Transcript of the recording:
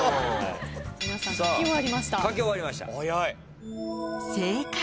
皆さん書き終わりました。